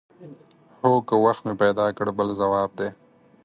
هو که وخت مې پیدا کړ بل ځواب دی.